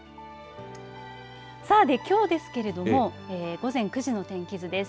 さあ、きょうですけれども午前９時の天気図です。